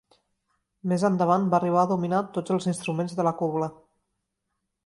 Més endavant va arribar a dominar tots els instruments de la cobla.